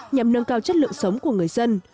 nhằm nâng cao chất lượng sống của người dân